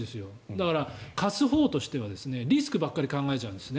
だから、貸すほうとしてはリスクばかり考えちゃうんです。